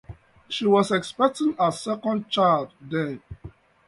She was expecting her second child then.